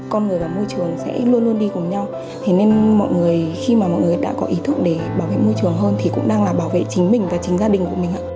con người và môi trường sẽ luôn luôn đi cùng nhau thế nên mọi người khi mà mọi người đã có ý thức để bảo vệ môi trường hơn thì cũng đang là bảo vệ chính mình và chính gia đình của mình ạ